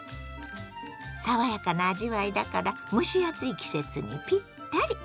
爽やかな味わいだから蒸し暑い季節にピッタリ。